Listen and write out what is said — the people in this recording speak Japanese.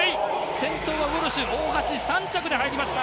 先頭はウォルシュ、大橋３着で入りました。